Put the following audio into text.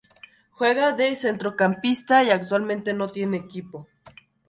Juega de centrocampista y actualmente no tiene equipo.